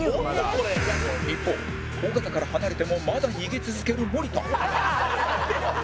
一方尾形から離れてもまだ逃げ続ける森田